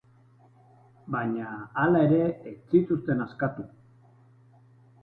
Baina hala ere ez zituzten askatu.